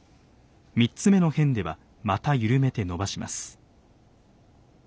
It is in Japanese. ３つ目の辺ではまた緩めて伸ばします。